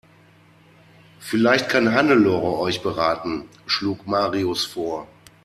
Vielleicht kann Hannelore euch beraten, schlug Marius vor.